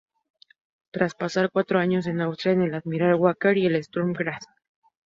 Tras pasar cuatro años en Austria, en el Admira Wacker y el Sturm Graz.